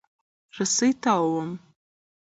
رسۍ تاووم.